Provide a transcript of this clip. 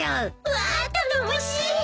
わー頼もしい！